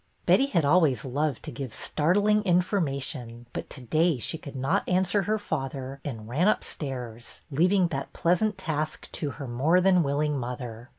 Betty had always loved to give startling in formation, but to day she could not answer her father, and ran upstairs, leaving that pleasant task to her more than willing mother.